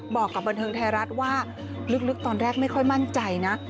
บอกกับบันเทิงไทยรัฐว่าลึกตอนแรกไม่ค่อยมั่นใจนะ